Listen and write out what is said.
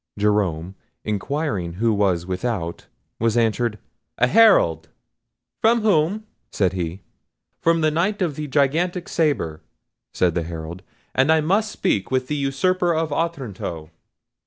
Jerome, inquiring who was without, was answered, "A Herald." "From whom?" said he. "From the Knight of the Gigantic Sabre," said the Herald; "and I must speak with the usurper of Otranto."